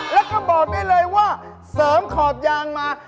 แล้วก็บอกได้เลยว่าเสริมขอบยางมา